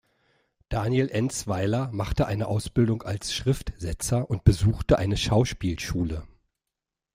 Daniel Enzweiler machte eine Ausbildung als Schriftsetzer und besuchte eine Schauspielschule.